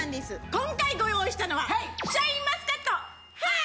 今回ご用意したのはシャインマスカットはっ！